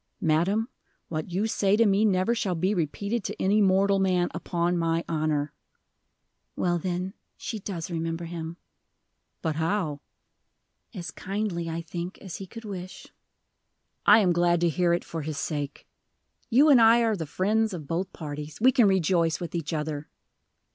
"Madam, what you say to me never shall be repeated to any mortal man, upon my honor." "Well, then, she does remember him." "But how?" "As kindly, I think, as he could wish." "I am glad to hear it, for his sake. You and I are the friends of both parties: we can rejoice with each other."